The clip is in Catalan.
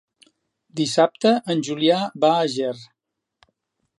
Dissabte en Julià va a Ger.